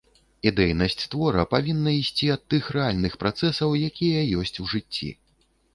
Ідэйнасць твора павінна ісці ад тых рэальных працэсаў, якія ёсць у жыцці.